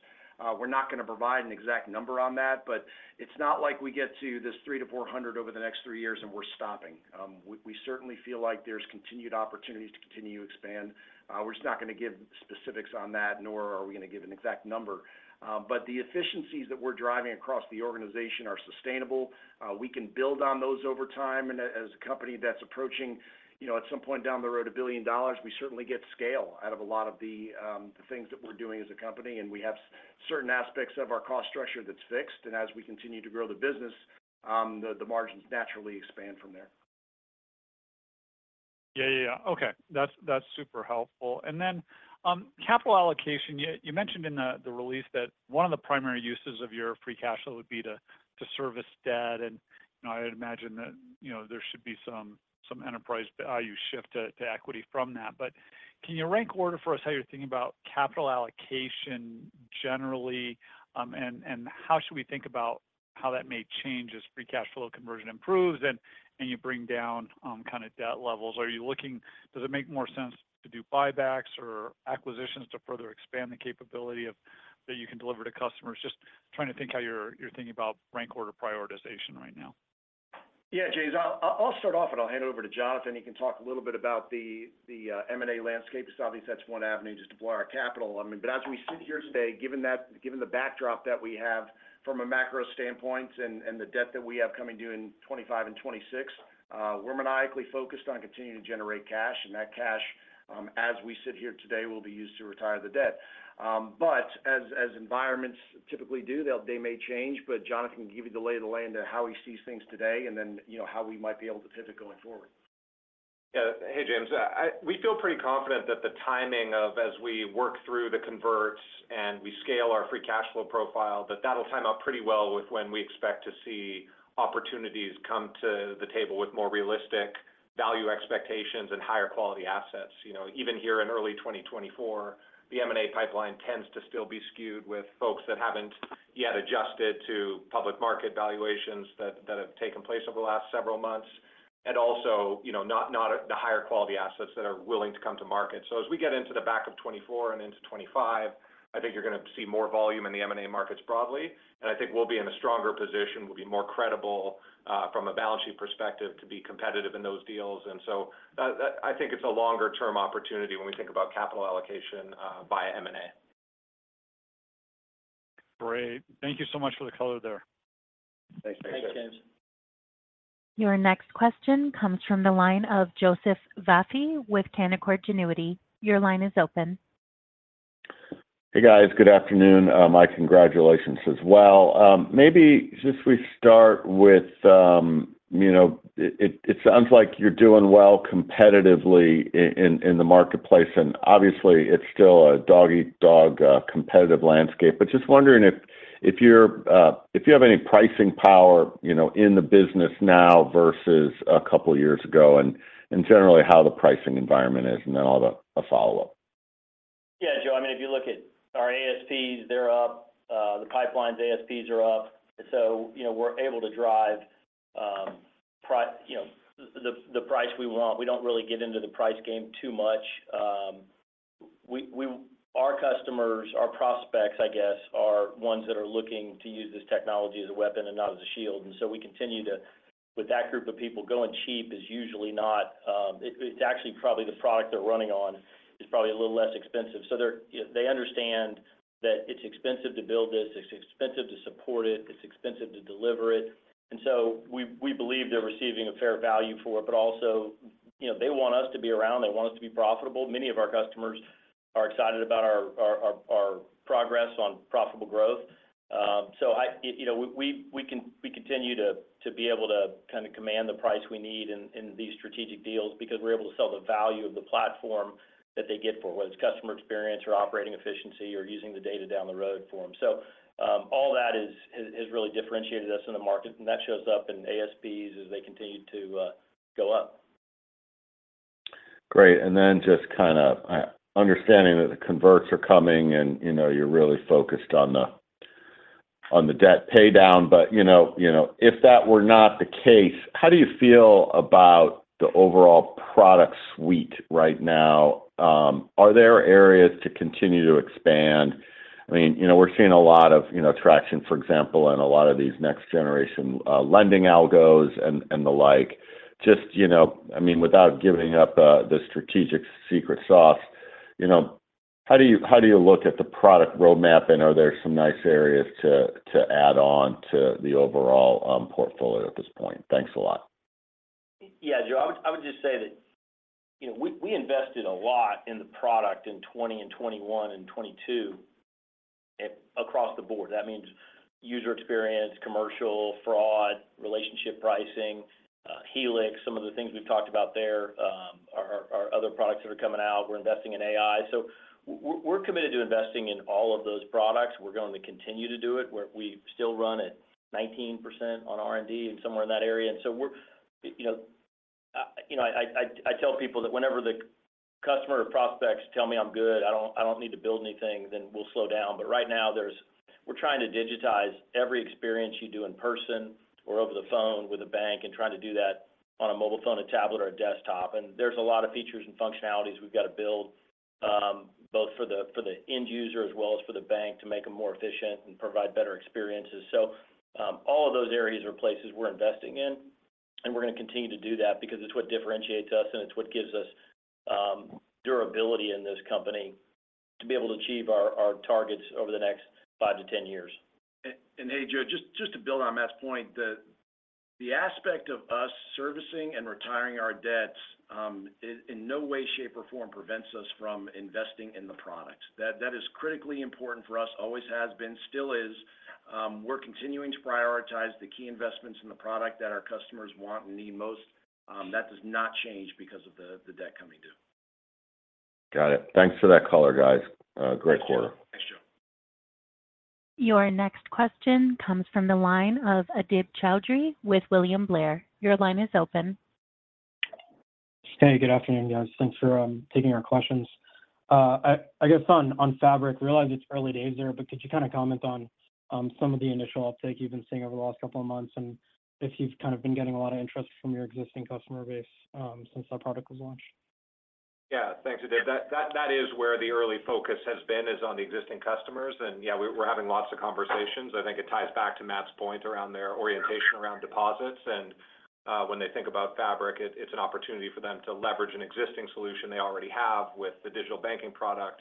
We're not going to provide an exact number on that, but it's not like we get to this 300-400 over the next three years and we're stopping. We certainly feel like there's continued opportunities to continue to expand. We're just not going to give specifics on that, nor are we going to give an exact number. But the efficiencies that we're driving across the organization are sustainable. We can build on those over time. And as a company that's approaching, at some point down the road, $1 billion, we certainly get scale out of a lot of the things that we're doing as a company. And we have certain aspects of our cost structure that's fixed. And as we continue to grow the business, the margins naturally expand from there. Yeah. Yeah. Yeah. Okay. That's super helpful. And then capital allocation, you mentioned in the release that one of the primary uses of your free cash flow would be to service debt. And I would imagine that there should be some enterprise value shift to equity from that. But can you rank order for us how you're thinking about capital allocation generally, and how should we think about how that may change as free cash flow conversion improves, and you bring down kind of debt levels? Does it make more sense to do buybacks or acquisitions to further expand the capability that you can deliver to customers? Just trying to think how you're thinking about rank order prioritization right now. Yeah, James. I'll start off, and I'll hand it over to Jonathan. He can talk a little bit about the M&A landscape. Obviously, that's one avenue to deploy our capital. I mean, but as we sit here today, given the backdrop that we have from a macro standpoint and the debt that we have coming due in 2025 and 2026, we're maniacally focused on continuing to generate cash. And that cash, as we sit here today, will be used to retire the debt. But as environments typically do, they may change. But Jonathan can give you the lay of the land of how he sees things today and then how we might be able to pivot going forward. Yeah. Hey, James. We feel pretty confident that the timing of as we work through the converts and we scale our free cash flow profile, that that'll time out pretty well with when we expect to see opportunities come to the table with more realistic value expectations and higher quality assets. Even here in early 2024, the M&A pipeline tends to still be skewed with folks that haven't yet adjusted to public market valuations that have taken place over the last several months and also not the higher quality assets that are willing to come to market. So as we get into the back of 2024 and into 2025, I think you're going to see more volume in the M&A markets broadly. I think we'll be in a stronger position. We'll be more credible from a balance sheet perspective to be competitive in those deals. So I think it's a longer-term opportunity when we think about capital allocation via M&A. Great. Thank you so much for the color there. Thanks, James. Thanks, James. Your next question comes from the line of Joseph Vafi with Canaccord Genuity. Your line is open. Hey, guys. Good afternoon. My congratulations as well. Maybe just if we start with it sounds like you're doing well competitively in the marketplace. And obviously, it's still a dog-eat-dog competitive landscape. But just wondering if you have any pricing power in the business now versus a couple of years ago and generally how the pricing environment is, and then I'll have a follow-up. Yeah, Joe. I mean, if you look at our ASPs, they're up. The pipeline's ASPs are up. So we're able to drive the price we want. We don't really get into the price game too much. Our customers, our prospects, I guess, are ones that are looking to use this technology as a weapon and not as a shield. So we continue to with that group of people, going cheap is usually not it's actually probably the product they're running on is probably a little less expensive. So they understand that it's expensive to build this. It's expensive to support it. It's expensive to deliver it. So we believe they're receiving a fair value for it. But also, they want us to be around. They want us to be profitable. Many of our customers are excited about our progress on profitable growth. So we continue to be able to kind of command the price we need in these strategic deals because we're able to sell the value of the platform that they get for, whether it's customer experience or operating efficiency or using the data down the road for them. So all that has really differentiated us in the market. And that shows up in ASPs as they continue to go up. Great. And then just kind of understanding that the converts are coming, and you're really focused on the debt paydown. But if that were not the case, how do you feel about the overall product suite right now? Are there areas to continue to expand? I mean, we're seeing a lot of traction, for example, in a lot of these next-generation lending algos and the like. Just, I mean, without giving up the strategic secret sauce, how do you look at the product roadmap, and are there some nice areas to add on to the overall portfolio at this point? Thanks a lot. Yeah, Joe. I would just say that we invested a lot in the product in 2020 and 2021 and 2022 across the board. That means user experience, commercial, fraud, relationship pricing, Helix, some of the things we've talked about there, our other products that are coming out. We're investing in AI. So we're committed to investing in all of those products. We're going to continue to do it. We still run at 19% on R&D and somewhere in that area. And so I tell people that whenever the customer or prospects tell me I'm good, I don't need to build anything, then we'll slow down. But right now, we're trying to digitize every experience you do in person or over the phone with a bank and trying to do that on a mobile phone, a tablet, or a desktop. And there's a lot of features and functionalities we've got to build both for the end user as well as for the bank to make them more efficient and provide better experiences. So all of those areas are places we're investing in. And we're going to continue to do that because it's what differentiates us, and it's what gives us durability in this company to be able to achieve our targets over the next 5 years-10 years. And hey, Joe, just to build on Matt's point, the aspect of us servicing and retiring our debts in no way, shape, or form prevents us from investing in the product. That is critically important for us, always has been, still is. We're continuing to prioritize the key investments in the product that our customers want and need most. That does not change because of the debt coming due. Got it. Thanks for that color, guys. Great quarter. Thanks, Joe. Your next question comes from the line of Adib Choudhury with William Blair. Your line is open. Hey, good afternoon, guys. Thanks for taking our questions. I guess on Fabric, I realize it's early days there, but could you kind of comment on some of the initial uptake you've been seeing over the last couple of months and if you've kind of been getting a lot of interest from your existing customer base since that product was launched? Yeah. Thanks, Adib. That is where the early focus has been, is on the existing customers. And yeah, we're having lots of conversations. I think it ties back to Matt's point around their orientation around deposits. And when they think about Fabric, it's an opportunity for them to leverage an existing solution they already have with the digital banking product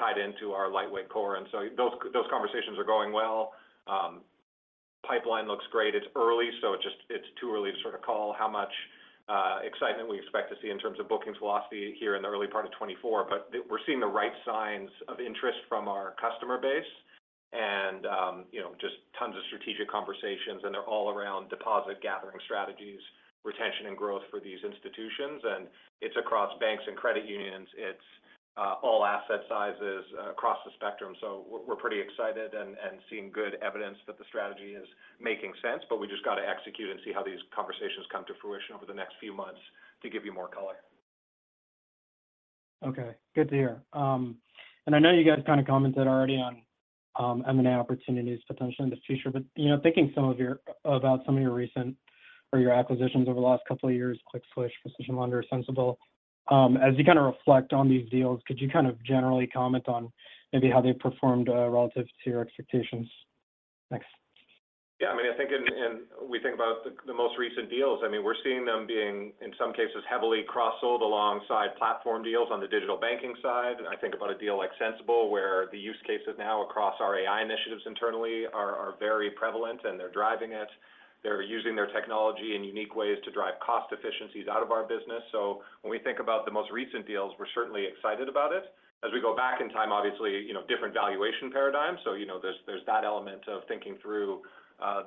tied into our lightweight core. And so those conversations are going well. Pipeline looks great. It's early, so it's too early to sort of call how much excitement we expect to see in terms of bookings velocity here in the early part of 2024. But we're seeing the right signs of interest from our customer base and just tons of strategic conversations. And they're all around deposit gathering strategies, retention, and growth for these institutions. And it's across banks and credit unions. It's all asset sizes across the spectrum. So we're pretty excited and seeing good evidence that the strategy is making sense. But we just got to execute and see how these conversations come to fruition over the next few months to give you more color. Okay. Good to hear. And I know you guys kind of commented already on M&A opportunities potentially in the future. But thinking about some of your recent or your acquisitions over the last couple of years, ClickSWITCH, PrecisionLender, Sensibill, as you kind of reflect on these deals, could you kind of generally comment on maybe how they performed relative to your expectations? Thanks. Yeah. I mean, I think when we think about the most recent deals, I mean, we're seeing them being, in some cases, heavily cross-sold alongside platform deals on the digital banking side. I think about a deal like Sensibill where the use cases now across our AI initiatives internally are very prevalent, and they're driving it. They're using their technology in unique ways to drive cost efficiencies out of our business. So when we think about the most recent deals, we're certainly excited about it. As we go back in time, obviously, different valuation paradigms. So there's that element of thinking through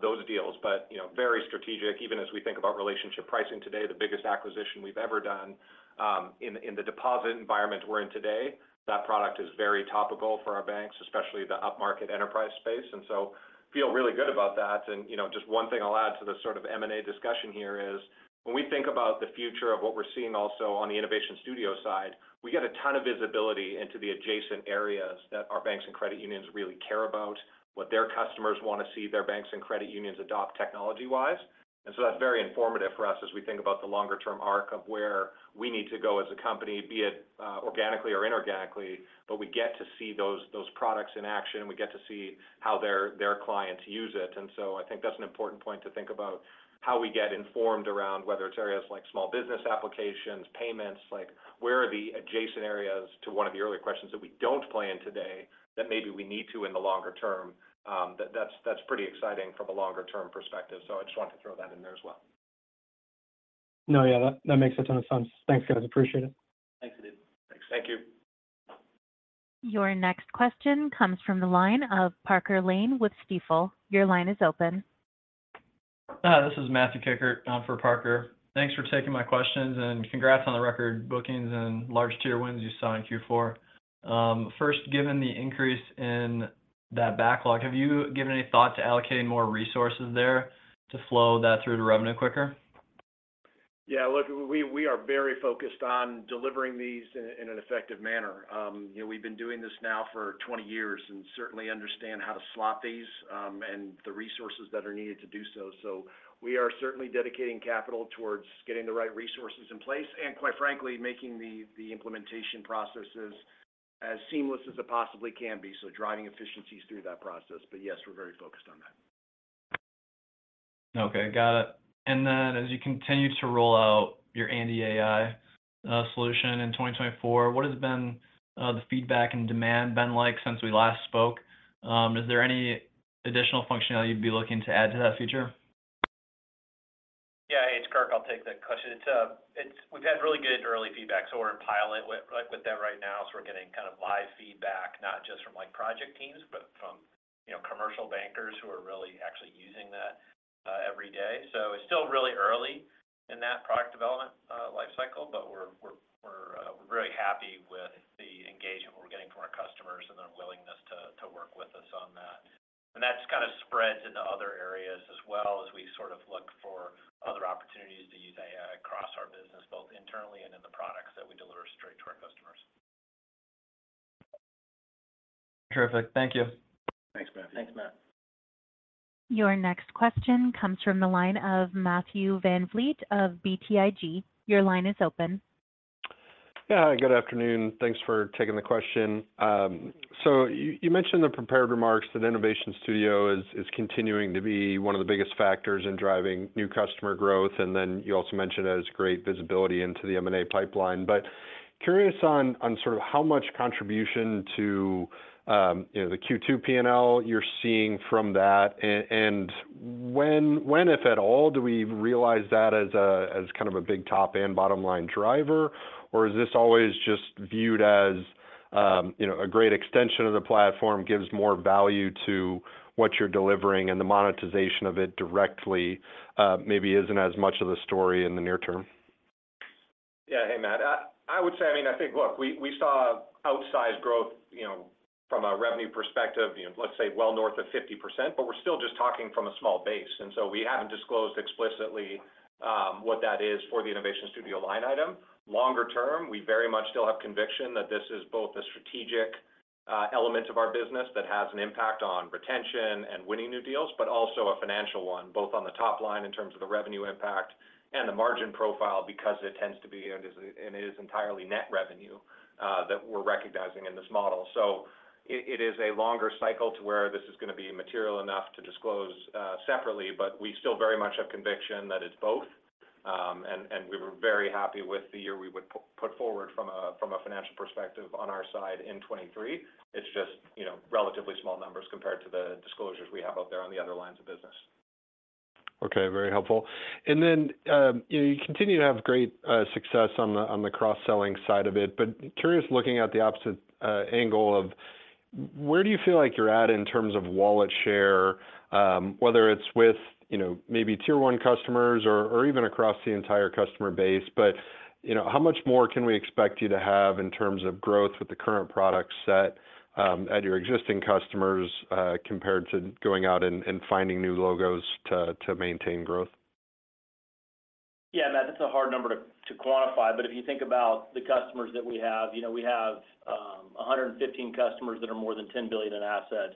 those deals, but very strategic. Even as we think about Relationship Pricing today, the biggest acquisition we've ever done in the deposit environment we're in today, that product is very topical for our banks, especially the upmarket enterprise space. And so I feel really good about that. And just one thing I'll add to the sort of M&A discussion here is when we think about the future of what we're seeing also on the Innovation Studio side, we get a ton of visibility into the adjacent areas that our banks and credit unions really care about, what their customers want to see their banks and credit unions adopt technology-wise. And so that's very informative for us as we think about the longer-term arc of where we need to go as a company, be it organically or inorganically. But we get to see those products in action, and we get to see how their clients use it. And so I think that's an important point to think about how we get informed around whether it's areas like small business applications, payments, like where are the adjacent areas to one of the earlier questions that we don't play in today that maybe we need to in the longer term. That's pretty exciting from a longer-term perspective. So I just wanted to throw that in there as well. No, yeah. That makes a ton of sense. Thanks, guys. Appreciate it. Thanks, Adib. Thanks. Thank you. Your next question comes from the line of Parker Lane with Stifel. Your line is open. This is Matthew Kikkert for Parker. Thanks for taking my questions. And congrats on the record bookings and large tier wins you saw in Q4. First, given the increase in that backlog, have you given any thought to allocating more resources there to flow that through to revenue quicker? Yeah. Look, we are very focused on delivering these in an effective manner. We've been doing this now for 20 years and certainly understand how to slot these and the resources that are needed to do so. So we are certainly dedicating capital towards getting the right resources in place and, quite frankly, making the implementation processes as seamless as it possibly can be, so driving efficiencies through that process. But yes, we're very focused on that. Okay. Got it. And then as you continue to roll out your Andi AI solution in 2024, what has been the feedback and demand been like since we last spoke? Is there any additional functionality you'd be looking to add to that feature? Yeah. Hey, Kikkert. I'll take that question. We've had really good early feedback. So we're in pilot with that right now. So we're getting kind of live feedback, not just from project teams but from commercial bankers who are really actually using that every day. So it's still really early in that product development lifecycle. But we're very happy with the engagement we're getting from our customers and their willingness to work with us on that. And that kind of spreads into other areas as well as we sort of look for other opportunities to use AI across our business, both internally and in the products that we deliver straight to our customers. Terrific. Thank you. Thanks, Matthew. Thanks, Matt. Your next question comes from the line of Matthew VanVliet of BTIG. Your line is open. Yeah. Good afternoon. Thanks for taking the question. So you mentioned the prepared remarks that Innovation Studio is continuing to be one of the biggest factors in driving new customer growth. And then you also mentioned it has great visibility into the M&A pipeline. But curious on sort of how much contribution to the Q2 P&L you're seeing from that. And when, if at all, do we realize that as kind of a big top-end bottom-line driver? Or is this always just viewed as a great extension of the platform gives more value to what you're delivering, and the monetization of it directly maybe isn't as much of the story in the near term? Yeah. Hey, Matt. I would say, I mean, I think, look, we saw outsized growth from a revenue perspective, let's say, well north of 50%. But we're still just talking from a small base. And so we haven't disclosed explicitly what that is for the Innovation Studio line item. Longer term, we very much still have conviction that this is both a strategic element of our business that has an impact on retention and winning new deals, but also a financial one, both on the top line in terms of the revenue impact and the margin profile because it tends to be and it is entirely net revenue that we're recognizing in this model. So it is a longer cycle to where this is going to be material enough to disclose separately. But we still very much have conviction that it's both. And we were very happy with the year we would put forward from a financial perspective on our side in 2023. It's just relatively small numbers compared to the disclosures we have out there on the other lines of business. Okay. Very helpful. And then you continue to have great success on the cross-selling side of it. But curious, looking at the opposite angle of where do you feel like you're at in terms of wallet share, whether it's with maybe Tier 1 customers or even across the entire customer base? But how much more can we expect you to have in terms of growth with the current product set at your existing customers compared to going out and finding new logos to maintain growth? Yeah, Matt. That's a hard number to quantify. But if you think about the customers that we have, we have 115 customers that are more than $10 billion in assets.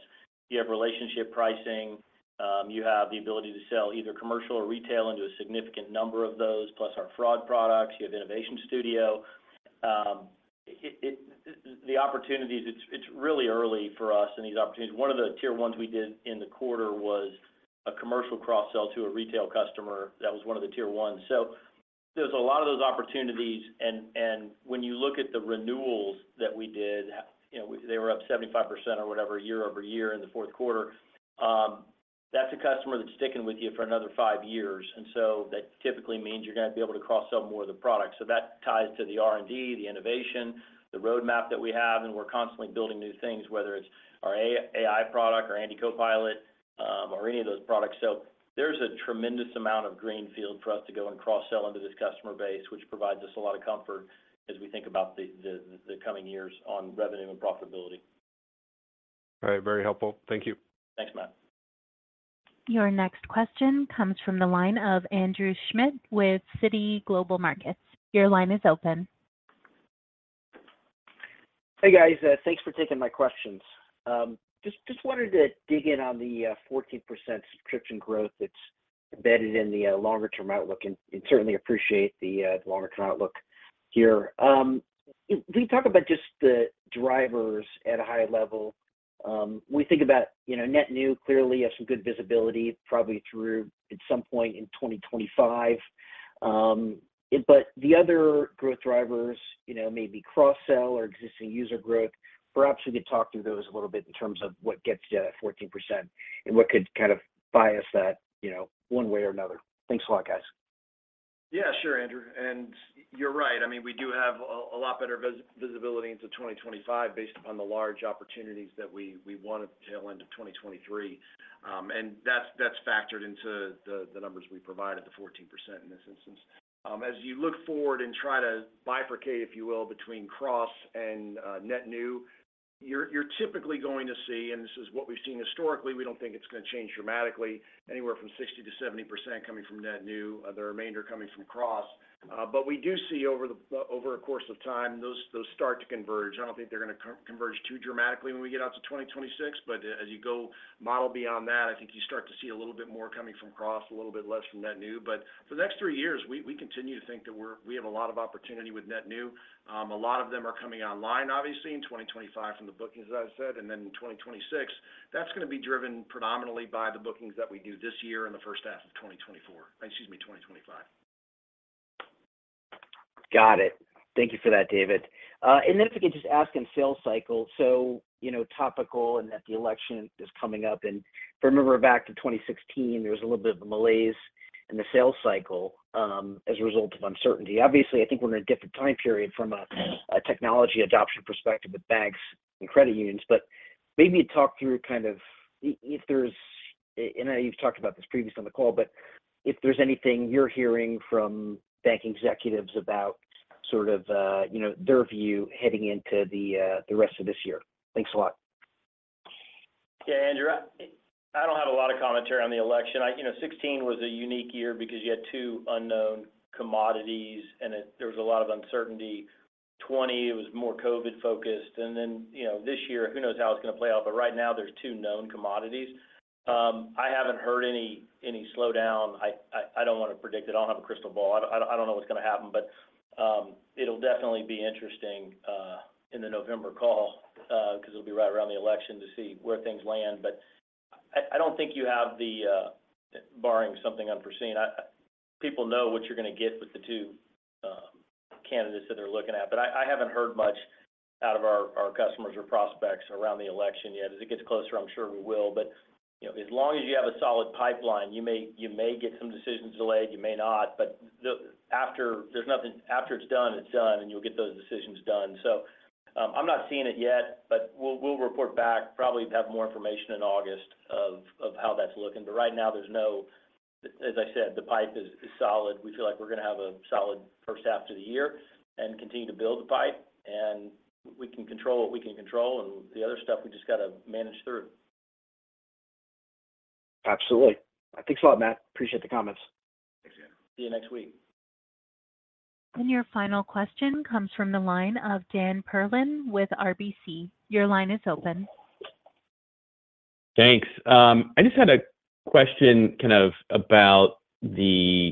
You have Relationship Pricing. You have the ability to sell either commercial or retail into a significant number of those, plus our fraud products. You have Innovation Studio. The opportunities, it's really early for us in these opportunities. One of the Tier 1s we did in the quarter was a commercial cross-sell to a retail customer. That was one of the Tier 1s. So there's a lot of those opportunities. And when you look at the renewals that we did, they were up 75% or whatever year-over-year in the fourth quarter. That's a customer that's sticking with you for another five years. And so that typically means you're going to be able to cross-sell more of the product. So that ties to the R&D, the innovation, the roadmap that we have. And we're constantly building new things, whether it's our AI product or Andi Copilot or any of those products. So there's a tremendous amount of greenfield for us to go and cross-sell into this customer base, which provides us a lot of comfort as we think about the coming years on revenue and profitability. All right. Very helpful. Thank you. Thanks, Matt. Your next question comes from the line of Andrew Schmidt with Citi Global Markets. Your line is open. Hey, guys. Thanks for taking my questions. Just wanted to dig in on the 14% subscription growth that's embedded in the longer-term outlook and certainly appreciate the longer-term outlook here. If we talk about just the drivers at a high level, we think about net new, clearly have some good visibility probably through at some point in 2025. But the other growth drivers, maybe cross-sell or existing user growth, perhaps we could talk through those a little bit in terms of what gets you at 14% and what could kind of bias that one way or another. Thanks a lot, guys. Yeah. Sure, Andrew. And you're right. I mean, we do have a lot better visibility into 2025 based upon the large opportunities that we won until end of 2023. And that's factored into the numbers we provided, the 14% in this instance. As you look forward and try to bifurcate, if you will, between cross and net new, you're typically going to see and this is what we've seen historically. We don't think it's going to change dramatically, anywhere from 60%-70% coming from net new, the remainder coming from cross. But we do see over a course of time, those start to converge. I don't think they're going to converge too dramatically when we get out to 2026. But as you go model beyond that, I think you start to see a little bit more coming from cross, a little bit less from net new. But for the next three years, we continue to think that we have a lot of opportunity with net new. A lot of them are coming online, obviously, in 2025 from the bookings, as I said. And then in 2026, that's going to be driven predominantly by the bookings that we do this year in the first half of 2024 excuse me, 2025. Got it. Thank you for that, David. And then if I could just ask in sales cycle, so topical and that the election is coming up. And if I remember back to 2016, there was a little bit of a malaise in the sales cycle as a result of uncertainty. Obviously, I think we're in a different time period from a technology adoption perspective with banks and credit unions. But maybe talk through kind of if there's, and I know you've talked about this previously on the call. But if there's anything you're hearing from bank executives about sort of their view heading into the rest of this year. Thanks a lot. Yeah, Andrew. I don't have a lot of commentary on the election. 2016 was a unique year because you had two unknown commodities, and there was a lot of uncertainty. 2020, it was more COVID-focused. And then this year, who knows how it's going to play out. But right now, there's two known commodities. I haven't heard any slowdown. I don't want to predict it. I don't have a crystal ball. I don't know what's going to happen. But it'll definitely be interesting in the November call because it'll be right around the election to see where things land. But I don't think you have the barring something unforeseen. People know what you're going to get with the two candidates that they're looking at. But I haven't heard much out of our customers or prospects around the election yet. As it gets closer, I'm sure we will. But as long as you have a solid pipeline, you may get some decisions delayed. You may not. But after it's done, it's done, and you'll get those decisions done. So I'm not seeing it yet. But we'll report back, probably have more information in August of how that's looking. But right now, there's no as I said, the pipe is solid. We feel like we're going to have a solid first half to the year and continue to build the pipe. We can control what we can control. The other stuff, we just got to manage through. Absolutely. Thanks a lot, Matt. Appreciate the comments. Thanks, Andrew. See you next week. Your final question comes from the line of Dan Perlin with RBC. Your line is open. Thanks. I just had a question kind of about, I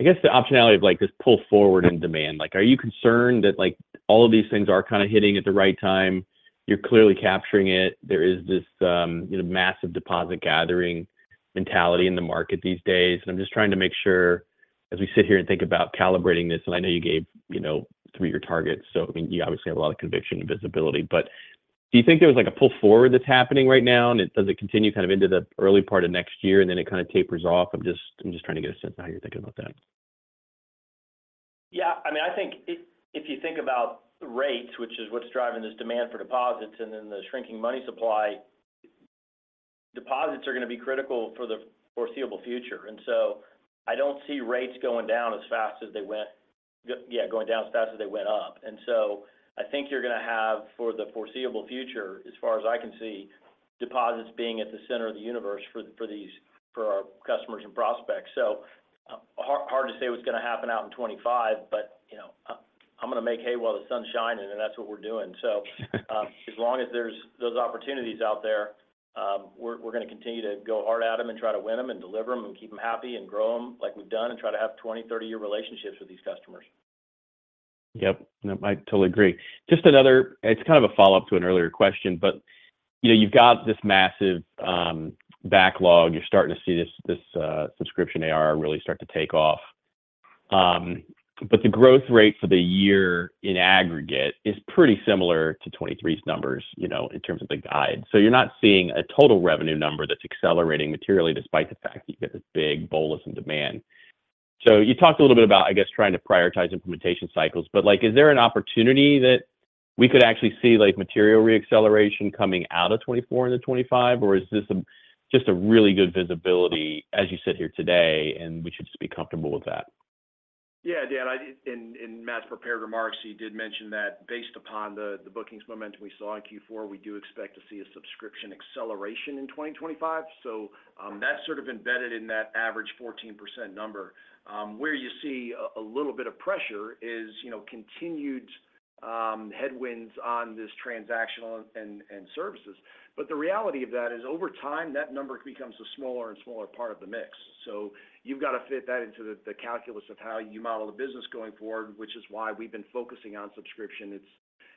guess, the optionality of this pull forward in demand. Are you concerned that all of these things are kind of hitting at the right time? You're clearly capturing it. There is this massive deposit gathering mentality in the market these days. I'm just trying to make sure as we sit here and think about calibrating this and I know you gave three of your targets. So I mean, you obviously have a lot of conviction and visibility. But do you think there's a pull forward that's happening right now? And does it continue kind of into the early part of next year, and then it kind of tapers off? I'm just trying to get a sense of how you're thinking about that. Yeah. I mean, I think if you think about rates, which is what's driving this demand for deposits, and then the shrinking money supply, deposits are going to be critical for the foreseeable future. And so I don't see rates going down as fast as they went up. And so I think you're going to have for the foreseeable future, as far as I can see, deposits being at the center of the universe for our customers and prospects. So hard to say what's going to happen out in 2025. But I'm going to make hay while the sun's shining, and that's what we're doing. So as long as there's those opportunities out there, we're going to continue to go hard at them and try to win them and deliver them and keep them happy and grow them like we've done and try to have 20-year, 30-year relationships with these customers. Yep. Nope. I totally agree. Just another—it's kind of a follow-up to an earlier question. But you've got this massive backlog. You're starting to see this subscription ARR really start to take off. But the growth rate for the year in aggregate is pretty similar to 2023's numbers in terms of the guide. So you're not seeing a total revenue number that's accelerating materially despite the fact that you get this big bolus in demand. So you talked a little bit about, I guess, trying to prioritize implementation cycles. But is there an opportunity that we could actually see material reacceleration coming out of 2024 into 2025? Or is this just a really good visibility as you sit here today, and we should just be comfortable with that? Yeah, Dan. In Matt's prepared remarks, he did mention that based upon the bookings momentum we saw in Q4, we do expect to see a subscription acceleration in 2025. So that's sort of embedded in that average 14% number. Where you see a little bit of pressure is continued headwinds on this transactional and services. But the reality of that is over time, that number becomes a smaller and smaller part of the mix. So you've got to fit that into the calculus of how you model the business going forward, which is why we've been focusing on subscription.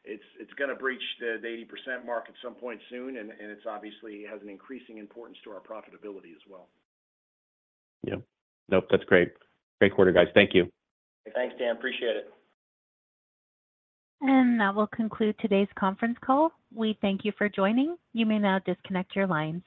It's going to breach the 80% mark at some point soon. And it obviously has an increasing importance to our profitability as well. Yep. Nope. That's great. Great quarter, guys. Thank you. Thanks, Dan. Appreciate it. And that will conclude today's conference call. We thank you for joining. You may now disconnect your lines.